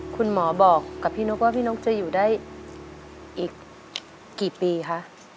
คุณหมอบอกกับพี่นกว่าพี่นกจะอยู่ได้อีกกี่ปีคะ